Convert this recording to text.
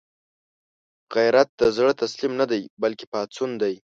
غیرت د زړه تسلیم نه دی، بلکې پاڅون دی